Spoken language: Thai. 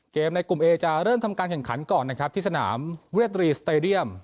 ในกลุ่มเอจะเริ่มทำการแข่งขันก่อนนะครับที่สนามเวียตรีสเตดียม